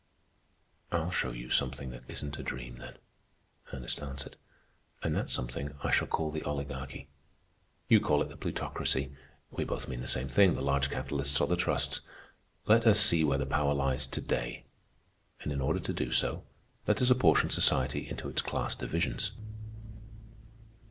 "I'll show you something that isn't a dream, then," Ernest answered. "And that something I shall call the Oligarchy. You call it the Plutocracy. We both mean the same thing, the large capitalists or the trusts. Let us see where the power lies today. And in order to do so, let us apportion society into its class divisions.